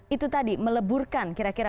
itu tadi meleburkan kira kira